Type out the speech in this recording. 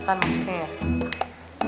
nata nganjurin nata